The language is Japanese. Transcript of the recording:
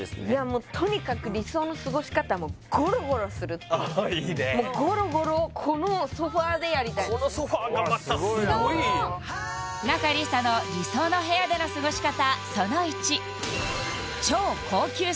もうとにかく理想の過ごし方もゴロゴロするっていうああいいねもうゴロゴロをこのソファがまたすごい仲里依紗の理想の部屋での過ごし方